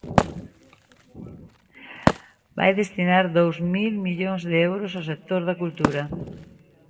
Vai destinar dous mil millóns de euros ao sector da cultura.